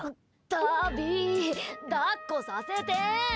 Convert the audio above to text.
タビ、抱っこさせて。